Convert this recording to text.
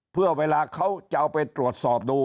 เพื่อเวลาเขาจะเอาไปตรวจสอบดู